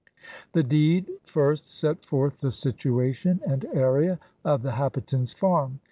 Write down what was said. The deed first set forth the situation and area of the habitant's farm.